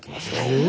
え？